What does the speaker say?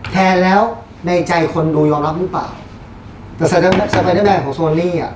แทนแล้วในใจคนดูยอมรับหรือเปล่าแต่สไปเดอร์แลนดของโซลลี่อ่ะ